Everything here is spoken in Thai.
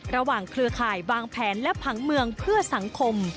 เครือข่ายวางแผนและผังเมืองเพื่อสังคม